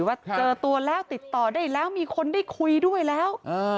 ว่าเจอตัวแล้วติดต่อได้แล้วมีคนได้คุยด้วยแล้ว